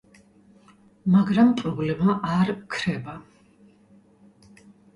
მაგრამ პრობლემა არ ქრება.